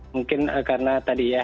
mungkin karena tadi ya